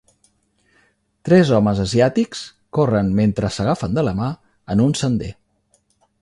Tres homes asiàtics corren mentre s'agafen de la mà en un sender.